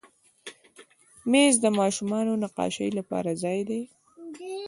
مېز د ماشومانو نقاشۍ لپاره ځای دی.